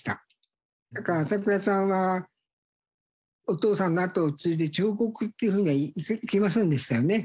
だから朝倉さんはお父さんのあとを継いで彫刻っていうふうにはいきませんでしたよね。